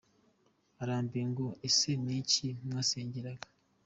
Arambwira ngo Ese ni iki mwasengeraga ?